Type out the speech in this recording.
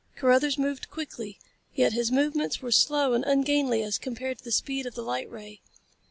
Carruthers moved quickly. Yet his movements were slow and ungainly as compared to the speed of the light ray.